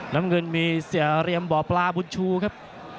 น้ำเงินมีเสียเรียมบ่อปลาบุญชูครับ